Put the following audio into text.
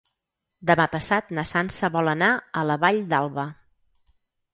Demà passat na Sança vol anar a la Vall d'Alba.